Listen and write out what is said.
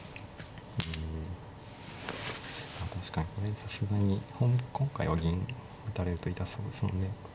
確かにこれさすがに今回は銀打たれると痛そうですもんね。